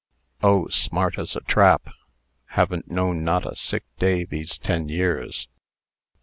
"Oh! smart as a trap. Haven't known not a sick day these ten years."